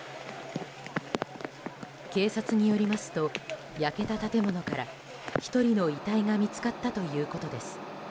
警察によりますと焼けた建物から１人の遺体が見つかったということです。